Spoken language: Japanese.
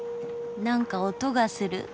なんか音がする。